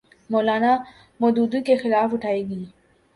مو لانا مودودی کے خلاف اٹھائی گی۔